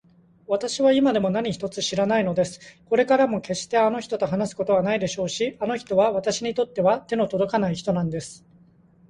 わたしは今でも何一つ知らないのです。これからもけっしてあの人と話すことはないでしょうし、あの人はわたしにとっては手のとどかない人なんです。